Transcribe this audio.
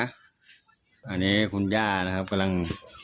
อันนี้คุณย่านะครับกำลัง